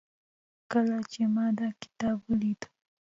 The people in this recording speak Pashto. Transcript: کله چې ما دا کتاب وليده